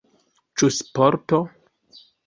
Ĉu sporto?